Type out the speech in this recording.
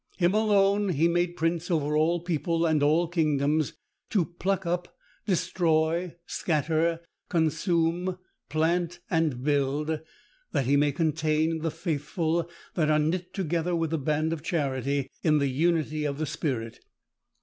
_Him alone he made prince over all people, and all kingdoms, to pluck up, destroy, scatter, consume, plant, and build, that he may contain the faithful that are knit together with the band of charity, in the unity of the Spirit.